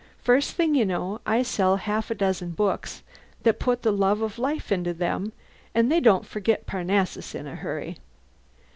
First thing you know I'll sell half a dozen books that put the love of life into them, and they don't forget Parnassus in a hurry.